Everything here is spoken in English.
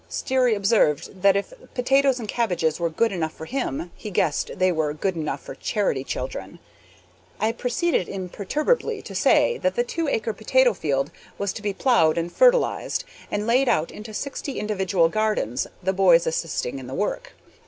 Sterry observed that if potatoes and cabbages was good enough for him, he guessed they was good enough for charity children. I proceeded imperturbably to say that the two acre potato field was to be plowed and fertilized, and laid out into sixty individual gardens, the boys assisting in the work.